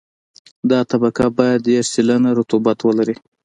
دا طبقه باید دېرش سلنه رطوبت ولري